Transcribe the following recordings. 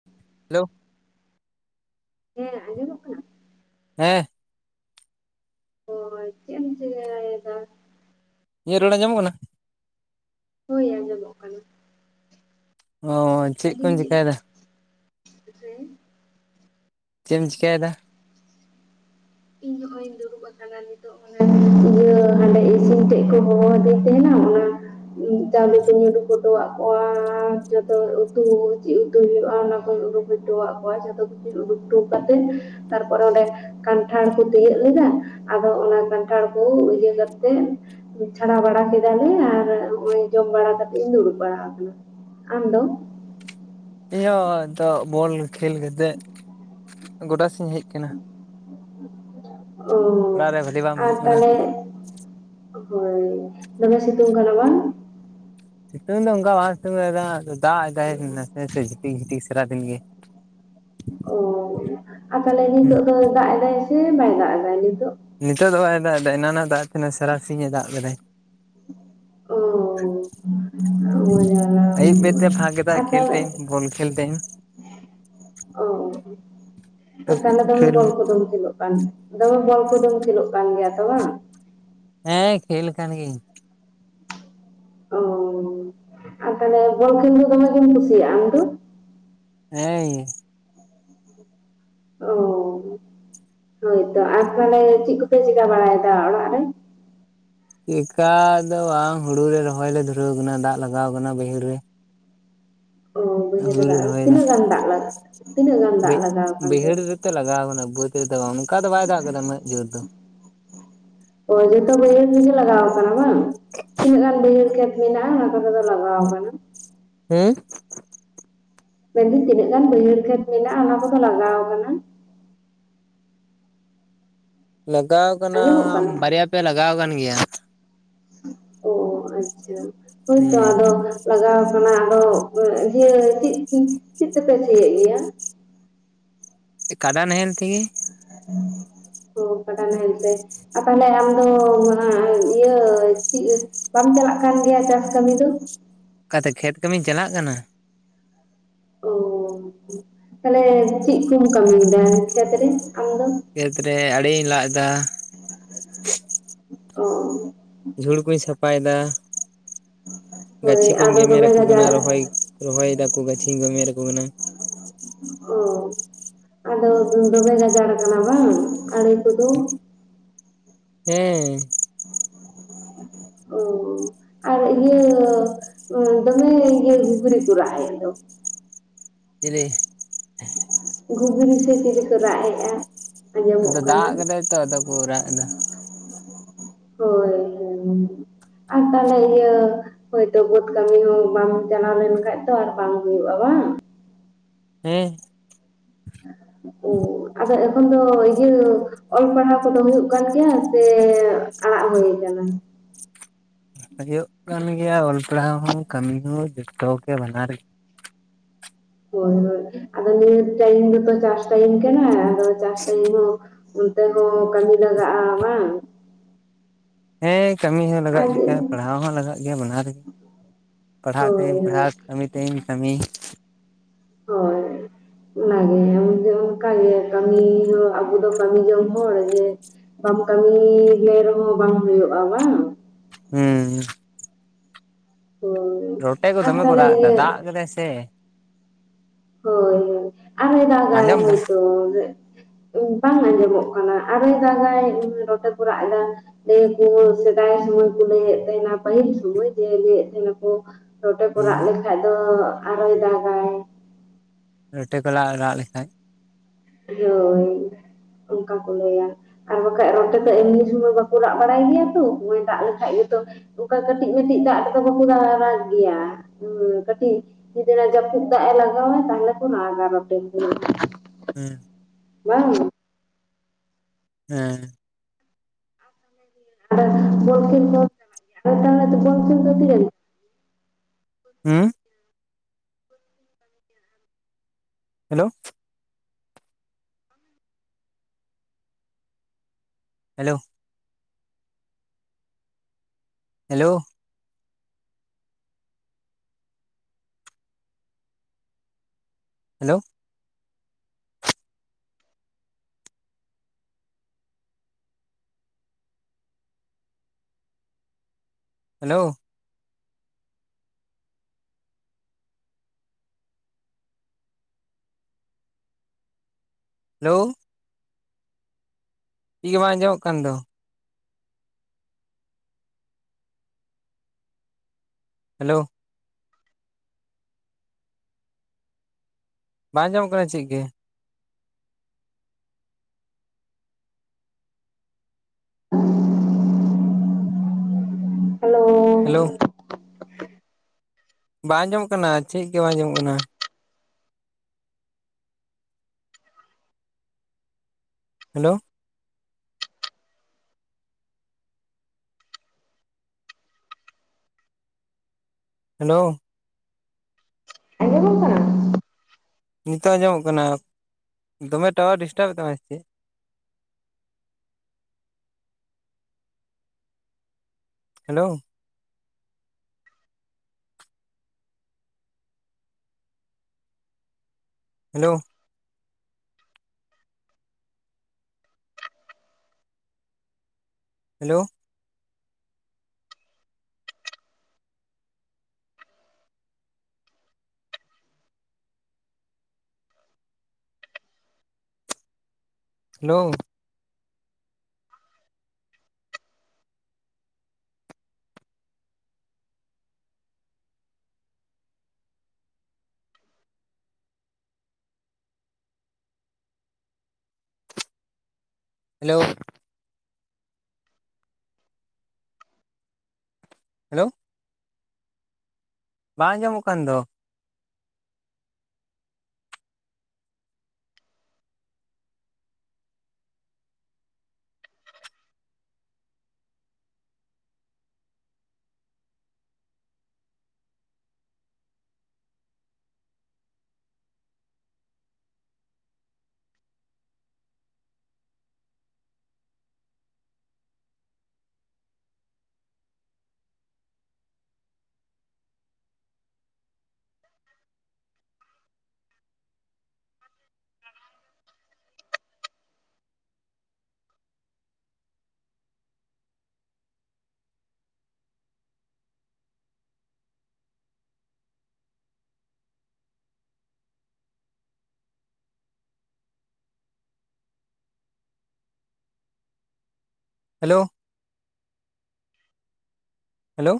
[inaudible] Hello ᱦᱮᱸ ᱟᱸᱡᱚᱢᱚᱜ ᱠᱟᱱᱟ? ᱦᱮᱸ ᱦᱳᱭ ᱪᱮᱫ ᱮᱢ ᱪᱤᱠᱟᱹᱭᱮᱫᱟ? ᱤᱧᱟᱜ ᱨᱚᱲ ᱟᱸᱡᱚᱢᱚᱜ ᱠᱟᱱᱟ? ᱦᱳᱭ ᱟᱸᱡᱚᱢᱚᱜ ᱠᱟᱱᱟ᱾ ᱚ ᱪᱮᱫ ᱠᱚᱧ ᱢᱮᱱᱫᱟᱹᱧ ᱪᱮᱠᱟᱭᱮᱫᱟ? [unintelligible] ᱪᱮᱫ ᱮᱢ ᱪᱤᱠᱟᱹᱭᱮᱫᱟ? ᱤᱧ ᱦᱚᱧ ᱫᱩᱲᱩᱵ ᱟᱠᱟᱱᱟ᱾ ᱱᱤᱛᱚᱜ ᱢᱟᱱᱮ ᱤᱭᱟᱹ ᱦᱟᱸᱰᱮ ᱤᱥᱤᱱ ᱴᱮᱡ ᱠᱚ ᱦᱚᱦᱚᱣᱟᱫᱤᱧ ᱛᱟᱦᱮᱱᱟ ᱚᱱᱟ ᱪᱟᱣᱞᱮ ᱠᱩᱧ ᱩᱰᱩᱠ ᱦᱚᱴᱚᱣᱟᱜ ᱠᱚᱣᱟ ᱡᱚᱛᱚ ᱩᱛᱩ ᱪᱮᱫ ᱩᱛᱩ ᱦᱩᱭᱩᱜᱼᱟ ᱚᱱᱟᱠᱩᱧ ᱩᱰᱩᱠ ᱦᱚᱴᱩᱣᱟᱜ ᱠᱚᱣᱟ ᱡᱚᱛᱚ ᱠᱤᱪᱷᱩ ᱩᱰᱩᱠ ᱦᱚᱴᱩ ᱠᱟᱛᱮᱫ ᱛᱟᱨᱯᱚᱨᱮ ᱚᱱᱰᱮ ᱠᱟᱱᱴᱷᱟᱲ ᱠᱚ ᱛᱤᱭᱳᱜ ᱞᱮᱫᱟ ᱟᱫᱚ ᱚᱱᱟ ᱠᱟᱱᱴᱷᱟᱲ ᱠᱚ ᱤᱭᱟᱹ ᱠᱟᱛᱮᱜ ᱪᱷᱟᱲᱟᱣ ᱵᱟᱲᱟ ᱠᱮᱫᱟᱞᱮ ᱟᱨ ᱱᱚᱜ-ᱚᱭ ᱡᱚᱢ ᱵᱟᱲᱟ ᱠᱟᱛᱮᱜ ᱤᱧ ᱫᱩᱲᱩᱵ ᱵᱟᱲᱟ ᱟᱠᱟᱱᱟ᱾ ᱟᱢ ᱫᱚ? ᱤᱧ ᱦᱚᱸ ᱱᱤᱛᱚᱜ ᱵᱚᱞ ᱠᱷᱮᱞ ᱠᱟᱛᱮᱫ ᱜᱚᱰᱟ ᱥᱮᱡ ᱤᱧ ᱦᱮᱡ ᱟᱠᱟᱱᱟ᱾ ᱳ ᱚᱲᱟᱜ ᱨᱮ ᱵᱷᱟᱹᱞᱤ ᱵᱟᱝ ᱟᱨ ᱵᱩᱡᱩᱜ ᱠᱟᱱᱟ ᱛᱟᱦᱚᱞᱮ ᱦᱳᱭ ᱫᱚᱢᱮ ᱥᱤᱛᱩᱝ ᱠᱟᱱᱟ ᱵᱟᱝ? ᱥᱤᱛᱩᱝ ᱫᱚ ᱚᱱᱠᱟ ᱵᱟᱭ ᱥᱤᱛᱩᱝ ᱞᱮᱫᱟ ᱫᱟᱜ ᱮᱫᱟᱭ ᱱᱟᱥᱮ ᱱᱟᱥᱮ ᱡᱷᱤᱴᱤᱠ ᱡᱷᱤᱴᱤᱠ ᱥᱟᱨᱟ ᱫᱤᱱ ᱜᱮ᱾ ᱚ ᱟᱨ ᱛᱟᱦᱚᱞᱮ ᱦᱩᱸ ᱱᱤᱛᱚᱜ ᱫᱚ ᱫᱟᱜ ᱮᱫᱟᱭ ᱥᱮ ᱵᱟᱭ ᱫᱟᱜ ᱮᱫᱟᱭ ᱱᱤᱛᱚᱜ? ᱱᱤᱛᱚᱜ ᱫᱚ ᱵᱟᱭ ᱫᱟᱜ ᱮᱫᱟᱭ ᱮᱱᱟᱱᱮ ᱫᱟᱜ ᱮ ᱛᱟᱦᱮᱱᱟᱭ ᱥᱟᱨᱟᱥᱤᱧ ᱮ ᱫᱟᱜ ᱞᱮᱫᱟᱭ᱾ ᱳᱻ ᱟᱹᱭᱩᱵ ᱵᱮᱨ ᱛᱮ ᱯᱷᱟᱸᱠᱮ ᱫᱟᱭ ᱟᱨ ᱠᱷᱮᱞ ᱛᱟᱦᱚᱞᱮ ᱴᱟᱭᱤᱢ ᱵᱚᱞ ᱠᱷᱮᱞ ᱴᱟᱭᱤᱢ᱾ ᱚ ᱛᱟᱦᱚᱞᱮ ᱫᱚᱢᱮ ᱠᱷᱮᱞ ᱵᱚᱞ ᱠᱚᱫᱚᱢ ᱠᱷᱤᱞᱳᱜ ᱠᱟᱱ ᱫᱚᱢᱮ ᱵᱚᱞ ᱠᱚᱫᱚᱢ ᱠᱷᱮᱞᱳᱜ ᱠᱟᱱ ᱜᱮᱭᱟ ᱛᱚ ᱵᱟᱝ᱾ ᱦᱮᱸ ᱠᱷᱮᱞ ᱠᱟᱱ ᱜᱤᱭᱟᱹᱧ᱾ ᱚ ᱟᱨ ᱛᱟᱦᱞᱮ ᱵᱚᱞ ᱠᱷᱮᱞ ᱫᱚ ᱫᱚᱢᱮ ᱜᱮᱢ ᱠᱩᱥᱤᱭᱟᱜᱼᱟ ᱟᱢ ᱫᱚ? ᱦᱮᱸᱻ ᱚ, ᱦᱳᱭᱛᱚ, ᱟᱨ ᱛᱟᱦᱞᱮ ᱪᱮᱜ ᱠᱚᱯᱮ ᱪᱮᱠᱟ ᱵᱟᱲᱟᱭᱫᱟ ᱚᱲᱟᱜ ᱨᱮ? ᱪᱮᱠᱟ ᱫᱚ ᱵᱟᱝ ᱦᱩᱲᱩ ᱨᱮ ᱨᱚᱦᱚᱭ ᱞᱮ ᱫᱷᱩᱨᱟᱹᱣ ᱠᱟᱱᱟ, ᱫᱟᱜ ᱞᱟᱜᱟᱣ ᱠᱟᱱᱟ ᱵᱟᱹᱭᱦᱟᱹᱲ ᱨᱮ᱾ ᱚ ᱵᱟᱹᱭᱦᱟᱹᱲ ᱨᱮ ᱫᱟᱜ, ᱛᱤᱱᱟᱹᱜ ᱜᱟᱱ ᱫᱟᱜ ᱞᱟᱜᱟ ᱵᱟᱹ ᱵᱟᱹᱭᱦᱟᱹᱲ ᱨᱮᱛᱮᱜ ᱞᱟᱜᱟᱣ ᱠᱟᱱᱟ ᱵᱟᱹᱫᱽ ᱨᱮᱫᱚ ᱵᱟᱝ, ᱚᱱᱠᱟ ᱫᱚ ᱵᱟᱭ ᱫᱟᱜ ᱠᱟᱫᱟ ᱩᱱᱟᱹᱜ ᱡᱳᱨ ᱫᱚ᱾ ᱚ ᱡᱷᱚᱛᱚ ᱵᱟᱹᱭᱦᱟᱹᱲ ᱨᱮᱜᱮ ᱞᱟᱜᱟᱣ ᱠᱟᱱᱟ ᱵᱟᱝ, ᱛᱤᱱᱟᱹᱜ ᱜᱟᱱ ᱵᱟᱹᱭᱦᱟᱹᱲ ᱠᱷᱮᱛ ᱢᱮᱱᱟᱜᱼᱟ ᱚᱱᱟ ᱠᱚᱨᱮ ᱫᱚ ᱞᱟᱜᱟᱣ ᱠᱟᱱᱟ? ᱦᱩᱸ? ᱢᱮᱱᱫᱟᱹᱧ ᱛᱤᱱᱟᱹᱜ ᱜᱟᱱ ᱵᱟᱹᱭᱦᱟᱹᱲ ᱠᱷᱮᱛ ᱢᱮᱱᱟᱜᱼᱟ ᱚᱱᱟ ᱠᱚᱫᱚ ᱞᱟᱜᱟᱣ ᱠᱟᱱᱟ? ᱞᱟᱜᱟᱣ ᱠᱟᱱᱟ ᱟᱸᱡᱚᱢᱚᱜ ᱠᱟᱱᱟ ᱵᱟᱨᱭᱟ ᱯᱮᱭᱟ ᱞᱟᱜᱟᱣ ᱠᱟᱱ ᱜᱮᱭᱟ᱾ ᱚ ᱚ ᱟᱪᱪᱷᱟ ᱦᱳᱭᱛᱚ ᱦᱩᱸ ᱟᱫᱚ ᱞᱟᱜᱟᱣ ᱠᱟᱱᱟ ᱟᱫᱚ ᱤᱭᱟᱹ ᱪᱮᱫ ᱛᱮ ᱪᱮᱫ ᱛᱮᱯᱮ ᱥᱤᱭᱮᱫ ᱜᱮᱭᱟ? ᱮ ᱠᱟᱰᱟ ᱱᱟᱦᱮᱞ ᱛᱮᱜᱮ᱾ ᱚ ᱠᱟᱰᱟ ᱱᱟᱦᱮᱞ ᱛᱮ᱾ ᱟᱨ ᱛᱟᱦᱞᱮ ᱟᱢᱫᱚ ᱚᱱᱟ ᱤᱭᱟᱹ ᱪᱮᱫ ᱵᱟᱢ ᱪᱟᱞᱟᱜ ᱠᱟᱱ ᱜᱮᱭᱟ ᱪᱟᱥ ᱠᱟᱹᱢᱤ ᱫᱚ? ᱚᱠᱟᱛᱮ ᱠᱷᱮᱛ ᱠᱟᱹᱢᱤᱧ ᱪᱟᱞᱟᱜ ᱠᱟᱱᱟ᱾ ᱳ ᱛᱟᱦᱞᱮ ᱪᱮᱜ ᱠᱚᱢ ᱠᱟᱹᱢᱤᱭᱮᱫᱟ ᱠᱷᱮᱛ ᱨᱮ ᱟᱢ ᱫᱚ? ᱠᱷᱮᱛᱨᱮ ᱟᱲᱮᱧ ᱞᱟᱜ ᱫᱟ᱾ ᱚ ᱚ᱾ ᱡᱷᱩᱲ ᱠᱩᱧ ᱥᱟᱯᱷᱟᱭᱮᱫᱟ, ᱦᱳᱭ ᱜᱟᱹᱪᱷᱤ ᱠᱩᱧ ᱟᱫᱚ ᱜᱮᱢᱨᱟ ᱫᱚᱢᱮ ᱟᱠᱚ ᱠᱟᱱᱟ ᱜᱟᱡᱟᱲ ᱨᱚᱦᱚᱭ ᱨᱚᱦᱚᱭ ᱫᱟᱠᱚ ᱜᱟᱹᱪᱷᱤᱧ ᱜᱮᱢᱮᱨ ᱟᱠᱚ ᱠᱟᱱᱟ᱾ ᱚ ᱟᱫᱚ ᱫᱚᱢᱮ ᱜᱟᱡᱟᱲ ᱠᱟᱱᱟ ᱵᱟᱝ ᱟᱰᱮ ᱦᱮᱸ᱾ ᱚ ᱟᱨ ᱤᱭᱟᱹ ᱩᱸ ᱫᱚᱢᱮ ᱤᱭᱟᱹ ᱜᱷᱩᱜᱨᱤ ᱠᱚ ᱨᱟᱜ-ᱮᱫ ᱫᱚ᱾ ᱪᱤᱞᱤ? ᱜᱷᱩᱜᱽᱨᱤ ᱥᱮ ᱪᱤᱞᱤᱠᱚ ᱨᱟᱜ ᱮᱜᱼᱟ᱾ ᱟᱸᱡᱚᱢᱚᱜ ᱟᱫᱚ ᱠᱟᱱᱟ, ᱫᱟᱜ ᱠᱟᱫᱟᱭ ᱛᱚ ᱟᱫᱚ ᱠᱚ ᱨᱟᱜ ᱮᱫᱟ ᱦᱳᱭ ᱦᱳᱭ᱾ ᱟᱨ ᱛᱟᱦᱞᱮ ᱤᱭᱟᱹ ᱦᱳᱭᱛᱚ ᱵᱟᱹᱫᱽ ᱠᱟᱹᱢᱤ ᱦᱚᱸ ᱵᱟᱢ ᱪᱟᱞᱟᱣ ᱞᱮᱱᱠᱷᱟᱡ ᱫᱚ ᱟᱨ ᱵᱟᱝ ᱦᱩᱭᱩᱜᱼᱟ, ᱵᱟᱝ? ᱦᱮᱸ᱾ [inaudible] ᱳ ᱟᱫᱚ ᱮᱠᱷᱚᱱ ᱫᱚ ᱤᱭᱟᱹ ᱚᱞ ᱯᱟᱲᱦᱟᱣ ᱠᱚᱫᱚ ᱦᱩᱭᱩᱜ ᱠᱟᱱ ᱜᱮᱭᱟ ᱥᱮ ᱟᱲᱟᱜ ᱦᱳᱭ ᱠᱟᱱᱟ᱾ ᱦᱳᱭᱳᱜ ᱠᱟᱱ ᱜᱮᱭᱟ ᱚᱞ ᱯᱟᱲᱦᱟᱣ ᱦᱚᱸ ᱠᱟᱹᱢᱤ ᱦᱚᱸ ᱡᱷᱚᱛᱚ ᱜᱮ ᱵᱟᱱᱟᱨ ᱦᱳᱭ ᱦᱳᱭ, ᱟᱫᱚ ᱱᱤᱭᱟᱹ ᱴᱟᱭᱤᱢ ᱫᱚᱛᱚ ᱪᱟᱥ ᱴᱟᱭᱤᱢ ᱠᱟᱱᱟ ᱟᱫᱚ ᱪᱟᱥ ᱴᱟᱭᱤᱢ ᱦᱚᱸ ᱚᱱᱛᱮ ᱦᱚᱸ ᱠᱟᱢᱤ ᱞᱟᱜᱟᱜᱼᱟ ᱵᱟᱝ᱾ ᱦᱮᱸ ᱠᱟᱹᱢᱤ ᱦᱚᱸ ᱟᱨ ᱞᱟᱜᱟᱜ ᱜᱮᱭᱟ ᱯᱟᱲᱦᱟᱣ ᱦᱚᱸ ᱞᱟᱜᱟᱜ ᱜᱮᱭᱟ ᱵᱟᱱᱟᱨ ᱨᱮ ᱯᱟᱲᱦᱟᱜ ᱦᱳᱭ ᱴᱟᱭᱤᱢ ᱦᱳᱭ ᱯᱟᱲᱦᱟᱜ ᱠᱟᱹᱢᱤ ᱴᱟᱭᱤᱢ ᱠᱟᱹᱢᱤ ᱦᱳᱭ ᱚᱱᱟ ᱜᱮ ᱮᱢᱚᱱ ᱡᱮ ᱚᱱᱠᱟ ᱜᱮ ᱠᱟᱹᱢᱤ ᱦᱚᱸ ᱟᱵᱚ ᱫᱚ ᱠᱟᱹᱢᱤ ᱡᱚᱝ ᱦᱚᱲ ᱡᱮ, ᱵᱟᱢ ᱠᱟᱹᱢᱤ ᱞᱮ ᱨᱮᱦᱚᱸ ᱵᱟᱝ ᱦᱳᱭᱳᱜᱼᱟ ᱵᱟᱝ ᱦᱩᱸ [unintelligible] ᱨᱚᱴᱮ ᱠᱚ ᱟᱨ ᱫᱚᱢᱮ ᱠᱚ ᱛᱟᱦᱚᱞᱮ ᱨᱟᱜ ᱮᱫᱟ ᱤᱭᱟᱹ ᱫᱟᱜ ᱠᱟᱫᱟᱭ ᱥᱮ ᱦᱳᱭ ᱦᱳᱭ ᱟᱨᱦᱚᱭ ᱫᱟᱜ ᱟᱭ ᱟᱸᱡᱚᱢ ᱫᱟᱢ ᱦᱳᱭᱛᱚ ᱵᱟᱝ ᱟᱸᱡᱚᱢᱚᱜ ᱠᱟᱱᱟ ᱟᱨᱚᱭ ᱫᱟᱜᱟᱭ ᱨᱚᱴᱮ ᱠᱚ ᱨᱟᱜ ᱮᱫᱟ ᱞᱟᱭᱟᱠᱚ ᱥᱮᱫᱟᱭ ᱥᱚᱢᱚᱭ ᱠᱚ ᱞᱟᱹᱭ ᱮᱫ ᱛᱟᱦᱮᱱᱟ ᱯᱟᱹᱦᱤᱞ ᱥᱚᱢᱚᱭ ᱞᱟᱹᱭ ᱮᱫ ᱛᱟᱦᱮᱸ ᱱᱟᱠᱚ ᱨᱚᱴᱮ ᱠᱚ ᱨᱟᱜ ᱦᱩᱸ ᱞᱮᱠᱷᱟᱡ ᱫᱚ ᱟᱨᱚᱭ ᱫᱟᱜᱟᱭ᱾ ᱨᱚᱴᱮ ᱠᱚᱞᱟ ᱨᱟᱜ ᱞᱮᱠᱷᱟᱡ ᱦᱳᱭ ᱚᱱᱠᱟ ᱠᱚ ᱞᱟᱹᱭᱟ᱾ ᱟᱨ ᱵᱟᱠᱷᱟᱡ ᱨᱚᱰᱮ ᱛᱚ ᱮᱢᱱᱤ ᱥᱚᱢᱚᱭ ᱵᱟᱠᱚ ᱨᱟᱜ ᱵᱟᱲᱟᱭ ᱜᱮᱭᱟ ᱛᱚ ᱱᱚᱭ ᱚᱭ ᱫᱟᱜ ᱞᱮᱠᱷᱟᱡ ᱜᱮᱛᱚ ᱚᱱᱠᱟ ᱠᱟᱹᱴᱤᱡ ᱠᱟᱹᱴᱤᱡ ᱫᱟᱜ ᱨᱮᱫᱚ ᱵᱟᱠᱚ ᱨᱟᱜ ᱜᱮᱭᱟ ᱤᱭᱟᱹ ᱠᱟᱹᱴᱤᱡ ᱡᱩᱫᱤ ᱚᱱᱟ ᱡᱟᱹᱯᱩᱫ ᱫᱟᱜ ᱮ ᱞᱟᱜᱟᱣᱟᱭ ᱛᱟᱦᱚᱞᱮ ᱠᱚ ᱨᱟᱜᱼᱟ ᱨᱚᱴᱮ ᱠᱚᱼᱼ ᱦᱮᱸ ᱵᱟᱝ ᱟᱡᱚᱢᱼᱼ ᱦᱮᱸ [unintelligible] ᱦᱩᱸ hello hello hello hello hello hello ᱪᱤᱠ ᱜᱮ ᱵᱟᱝ ᱟᱸᱡᱚᱢᱚᱜ ᱠᱟᱱ ᱫᱚ ᱦᱮᱞᱳ ᱵᱟᱝ ᱟᱸᱡᱚᱢᱚᱜ ᱠᱟᱱᱟ ᱪᱮᱫ ᱜᱮ᱾ [inaudible] ᱦᱮᱞᱳ ᱦᱮᱞᱳ ᱵᱟᱝ ᱟᱸᱡᱚᱢᱚᱜ ᱠᱟᱱᱟ ᱪᱮᱫ ᱜᱮ ᱵᱟᱝ ᱟᱸᱡᱚᱢᱚᱜ ᱠᱟᱱᱟ᱾ ᱦᱮᱞᱳ ᱦᱮᱞᱳ ᱟᱸᱡᱚᱢᱚᱜ ᱠᱟᱱᱟ? ᱱᱤᱛᱚᱜ ᱟᱸᱡᱚᱢᱚᱜ ᱠᱟᱱᱟ ᱫᱚᱢᱮ ᱴᱟᱣᱟᱨ ᱰᱤᱥᱴᱟᱵᱮᱫ ᱛᱟᱢᱟᱭ ᱥᱮ ᱪᱮᱫ? Hello hello hello hello hello hello ᱵᱟᱝ ᱟᱸᱡᱚᱢᱚᱜ ᱠᱟᱱ ᱫᱚ? Hello hello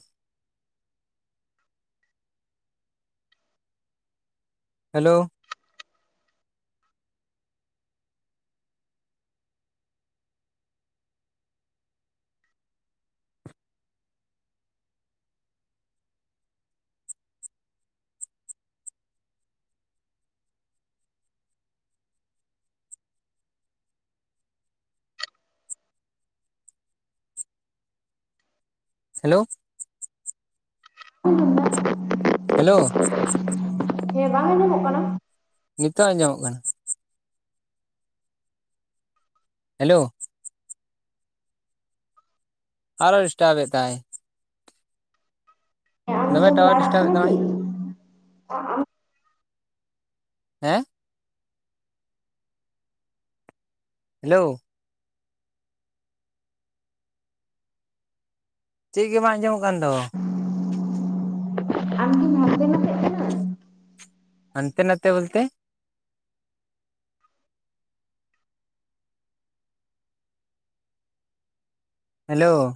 hello hello [inaudible] hello? ᱦᱮᱸ ᱵᱟᱝ ᱟᱸᱡᱚᱢᱚᱜ ᱠᱟᱱᱟ? ᱱᱤᱛᱚ ᱟᱸᱡᱟᱢᱚᱜ ᱠᱟᱱᱟ᱾ ᱦᱮᱞᱳ? ᱟᱨᱚ ᱰᱤᱥᱴᱟᱯ ᱮᱫ ᱛᱟᱭ ᱟᱢ ᱫᱚᱢᱮ ᱫᱚᱢ ᱴᱟᱣᱟᱨ ᱞᱟᱲᱟᱜ ᱰᱤᱥᱴᱟᱵ ᱮᱫ ᱠᱟᱱᱟ ᱠᱤ? ᱛᱟᱢᱟᱭ ᱟᱢ ᱦᱮᱸ ᱦᱮᱞᱳ ᱪᱮᱫ ᱜᱮ ᱵᱟᱝ ᱟᱸᱡᱚᱢᱚᱜ ᱠᱟᱱ ᱫᱚ? [inaudible] ᱟᱢᱜᱤᱢ ᱦᱟᱱᱛᱮ ᱱᱟᱛᱮ ᱠᱟᱱᱟ᱾ ᱦᱚᱱᱛᱮ ᱱᱟᱛᱮ ᱵᱚᱞᱛᱮ᱾ ᱦᱮᱞᱳ?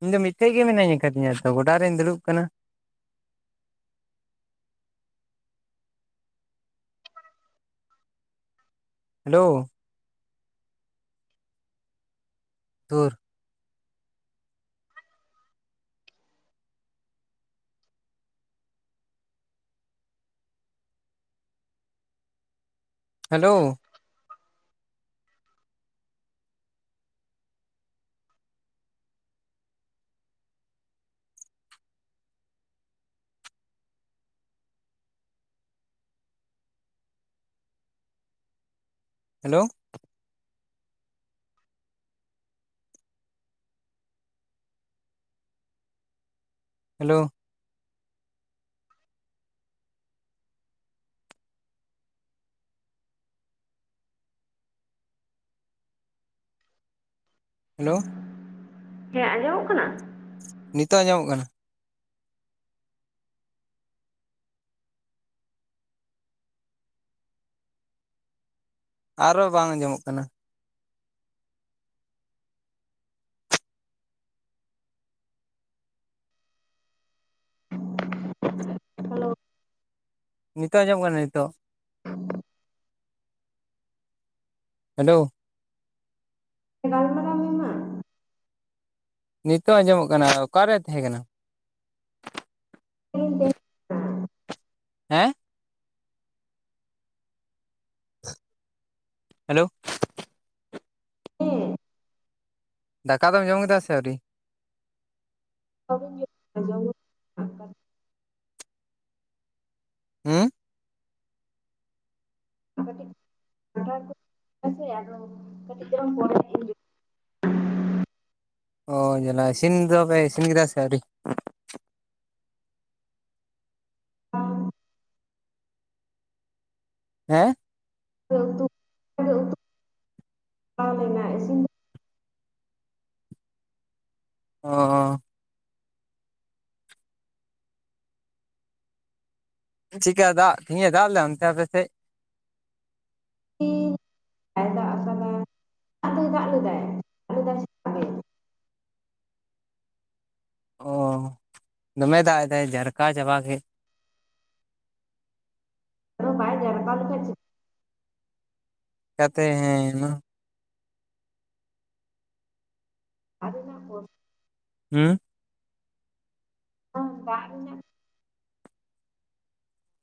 ᱤᱧ ᱫᱚ ᱢᱤᱫᱴᱮᱱ ᱜᱮ ᱢᱤᱹᱱᱟᱧ ᱟᱠᱟᱫᱤᱧᱟ ᱛᱚ ᱾ᱜᱚᱰᱟ ᱨᱤᱧ ᱫᱩᱲᱩᱵ ᱠᱟᱱᱟ᱾ ᱦᱮᱞᱳ? ᱫᱷᱩᱨ ᱦᱮᱞᱳ? Hello hello? ᱦᱮᱞᱳ᱾ ᱦᱮᱸ ᱟᱸᱡᱚᱢᱚᱜ ᱠᱟᱱᱟ? ᱱᱤᱛᱚᱜ ᱟᱧᱡᱚᱢᱚᱜ ᱠᱟᱱᱟ᱾ ᱟᱨᱦᱚ ᱵᱟᱝ ᱟᱸᱡᱚᱢᱚᱜ ᱠᱟᱱᱟ? ᱦᱮᱞᱳ ᱱᱤᱛᱚᱜ ᱟᱸᱡᱚᱢᱚᱜ ᱠᱟᱱᱟ ᱾ᱱᱤᱛᱚᱜ? ᱦᱮᱞᱳ ᱜᱟᱞᱢᱟᱨᱟᱣ ᱢᱮ ᱢᱟ? ᱱᱤᱛᱚᱜ ᱟᱸᱡᱚᱢᱚᱜ ᱠᱟᱱᱟ᱾ ᱚᱠᱟᱨᱮ ᱛᱟᱦᱮᱸ ᱠᱟᱱᱟ? ᱨᱩᱢ ᱛᱮ ᱦᱮᱸ ᱦᱮᱞᱳ ᱦᱮᱸ ᱫᱟᱠᱟ ᱫᱚᱢ ᱡᱚᱢ ᱠᱮᱫᱟ ᱥᱮ ᱟᱹᱣᱨᱤ? ᱵᱟᱝ ᱤᱧ ᱡᱚᱢ [unintelligible] ᱦᱩᱸ [unintelligible] ᱠᱟᱹᱴᱤᱡ ᱪᱩᱞᱟᱝ ᱯᱚᱨᱮ ᱧᱚᱜ ᱚ ᱡᱟᱱᱟ ᱤᱥᱤᱱ ᱫᱚᱯᱮ ᱤᱥᱤᱱ ᱠᱮᱫᱟ ᱥᱮ ᱟᱣᱨᱤ? ᱦᱮᱸ [unintelligible] ᱚᱸ ᱪᱤᱠᱟ ᱫᱟᱜ ᱛᱮᱦᱮᱧ ᱮᱸ ᱫᱟᱜ ᱞᱮᱫᱟ ᱚᱱᱛᱮ ᱟᱯᱮᱥᱮᱫ? [inaudible] ᱞᱮᱫᱟᱭ ᱥᱮᱛᱟᱜ ᱨᱮ ᱚ ᱫᱚᱢᱮ ᱫᱟᱜ ᱮᱫᱟᱭ ᱡᱟᱨᱠᱟᱣ ᱪᱟᱵᱟ ᱠᱮ ᱟᱫᱚ ᱵᱟᱭ ᱡᱟᱨᱯᱟᱣ ᱞᱮᱠᱷᱟᱡ ᱠᱟᱛᱮ ᱦᱮᱸ [inaudible] [inaudible] [inaudible]